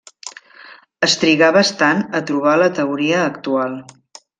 Es trigà bastant a trobar la teoria actual.